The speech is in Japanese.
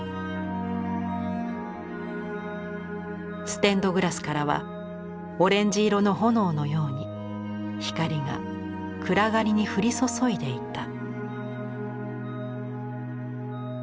「ステンドグラスからはオレンジ色の炎のように光が暗がりに降り注いでいた」。